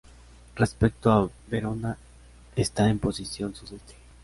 Respecto a Verona está en posición sudeste.